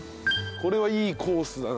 これはいいコースだな。